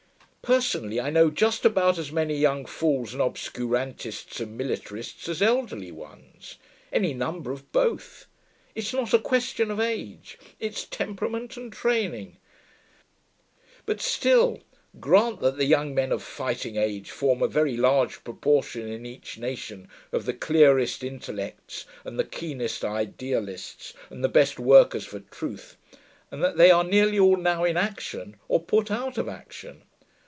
Personally I know just about as many young fools and obscurantists and militarists as elderly ones. Any number of both. It's not a question of age; it's temperament and training. But still, grant that the young men of fighting age form a very large proportion in each nation of the clearest intellects and the keenest idealists and the best workers for truth, and that they are nearly all now in action, or put out of action.